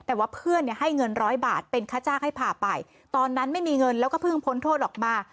แต่ว่าเพื่อนเนี่ยให้เงินร้อยบาทเป็นค่าจ้างให้พาไปตอนนั้นไม่มีเงินแล้วก็เพิ่งพ้นโทษออกมา